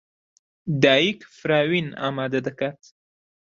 دایک فراوین ئامادە دەکات.